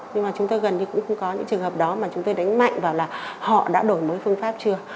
nhưng mà chúng tôi gần như cũng không có những trường hợp đó mà chúng tôi đánh mạnh vào là họ đã đổi mới phương pháp chưa